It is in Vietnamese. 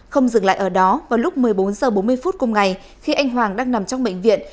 không dừng lại ở đó vào lúc một mươi bốn h bốn mươi phút cùng ngày khi anh hoàng đang nằm trong bệnh viện